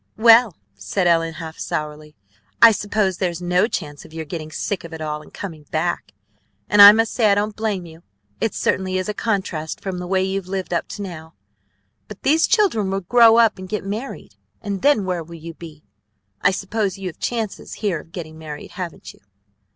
"Well," said Ellen half sourly, "I suppose there's no chance of your getting sick of it all and coming back, and I must say I don't blame you. It certainly is a contrast from the way you've lived up to now. But these children will grow up and get married, and then where will you be? I suppose you have chances here of getting married, haven't you?"